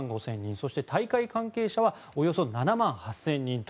そして大会関係者はおよそ７万８０００人と。